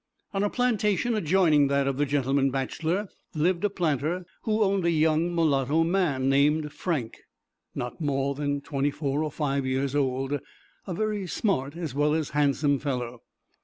On a plantation adjoining that of the gentleman bachelor, lived a planter, who owned a young mulatto man, named Frank, not more than twenty four or five years old, a very smart as well as handsome fellow.